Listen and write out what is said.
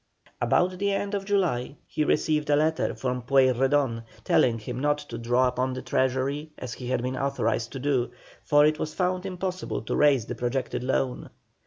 About the end of July he received a letter from Pueyrredon telling him not to draw upon the treasury as he had been authorized to do, for it was found impossible to raise the projected loan.